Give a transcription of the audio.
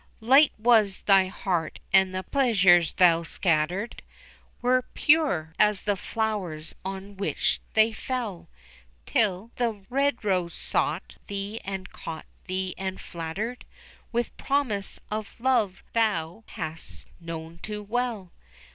Light was thy heart and the pleasures thou scattered Were pure as the flowers on which they fell, Till the red rose sought thee and caught thee and flattered, With promise of love thou hast known too well.